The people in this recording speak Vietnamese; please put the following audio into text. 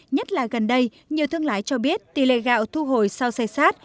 nhất là gần đây nhiều thương lái cho biết tỷ lệ gạo thu hồi sau xe sát